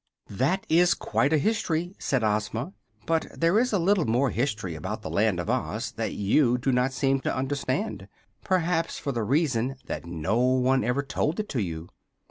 "That is quite a history," said Ozma; "but there is a little more history about the Land of Oz that you do not seem to understand perhaps for the reason that no one ever told it you.